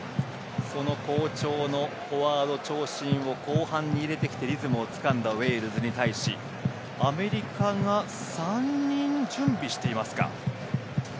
その好調のフォワード長身を後半に入れてきてリズムをつかんできたウェールズに対しアメリカが３人準備していますか。